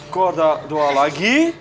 kok ada dua lagi